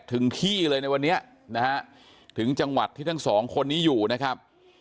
ถึงที่เลยในวันนี้นะฮะถึงจังหวัดที่ทั้งสองคนนี้อยู่นะครับ